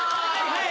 はい。